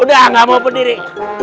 udah gak mau pendiri